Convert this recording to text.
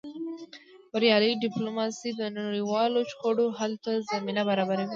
بریالۍ ډیپلوماسي د نړیوالو شخړو حل ته زمینه برابروي.